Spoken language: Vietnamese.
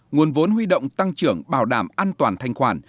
nguồn vốn huy động tăng trưởng bảo đảm an toàn thanh khoản